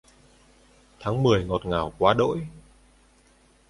Tháng mười ngọt ngào quá đỗi